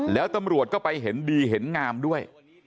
แล้วตำรวจก็ไปเห็นดีเห็นงามด้วย